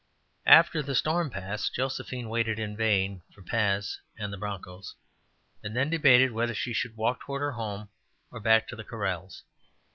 After the storm passed, Josephine waited in vain for Paz and the bronchos, and then debated whether she should walk toward her home or back to the corrals.